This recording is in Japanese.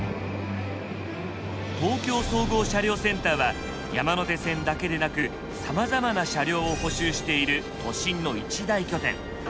東京総合車両センターは山手線だけでなくさまざまな車両を補修している都心の一大拠点。